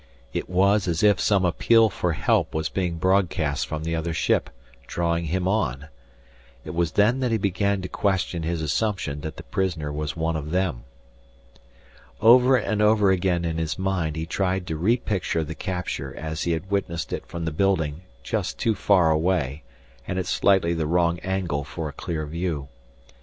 It was as if some appeal for help was being broadcast from the other ship, drawing him on. It was then that he began to question his assumption that the prisoner was one of them. Over and over again in his mind he tried to re picture the capture as he had witnessed it from the building just too far away and at slightly the wrong angle for a clear view.